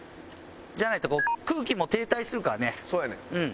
じゃないと空気も停滞するからね。